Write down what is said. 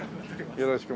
よろしく。